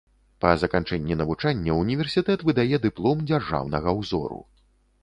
Па заканчэнні навучання ўніверсітэт выдае дыплом дзяржаўнага ўзору.